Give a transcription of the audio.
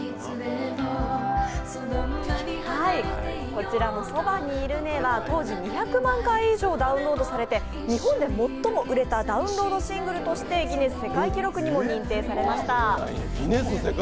こちらの「そばにいるね」は当時２００万回以上ダウンロードされて日本で最も売れたダウンロードシングルとしてギネス世界記録にも認定されました。